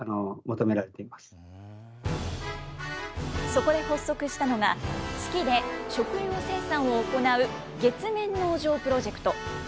そこで発足したのが、月で食料生産を行う月面農場プロジェクト。